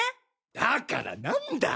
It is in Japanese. だから何だ！？